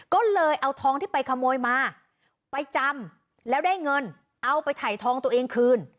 ก็เลยเอาทองที่ไปขโมยมาไปจำแล้วได้เงินเอาไปถ่ายทองตัวเองคืน